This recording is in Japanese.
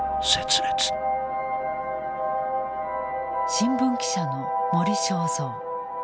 新聞記者の森正蔵。